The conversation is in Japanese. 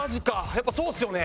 やっぱそうですよね。